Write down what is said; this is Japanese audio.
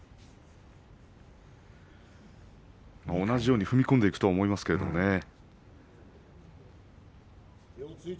同じように踏み込んでいくと思いますがね。